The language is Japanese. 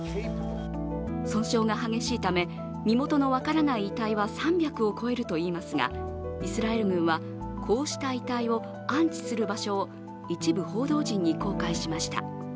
損傷が激しいため、身元の分からない遺体は３００を超えるといいますがイスラエル軍はこうした遺体を安置する場所を一部報道陣に公開しました。